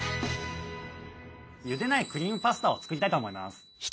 ゆでないクリームパスタを作りたいと思います。